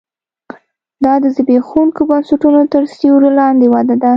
دا د زبېښونکو بنسټونو تر سیوري لاندې وده ده